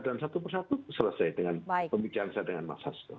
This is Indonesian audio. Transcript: dan satu persatu selesai dengan pemikiran saya dengan mas hasto